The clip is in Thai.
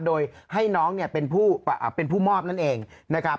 โดยให้น้องเนี่ยเป็นผู้มอบนั่นเองนะครับ